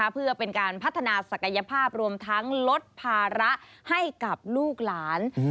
เพื่อเป็นการพัฒนาศักยภาพรวมทั้งลดภาระให้กับลูกหลาน